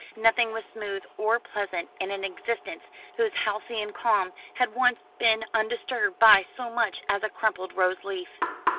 Nothing was smooth or pleasant in an existence whose halcyon calm had once been undisturbed by so much as a crumpled rose leaf.